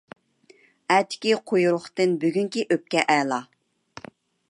ئەتىكى قۇيرۇقتىن بۈگۈنكى ئۆپكە ئەلا.